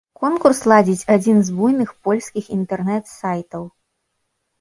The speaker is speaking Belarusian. Конкурс ладзіць адзін з буйных польскіх інтэрнэт-сайтаў.